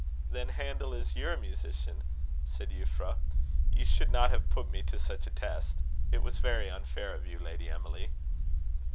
"Then Handel is your musician?" said Euphra. "You should not have put me to such a test. It was very unfair of you, Lady Emily."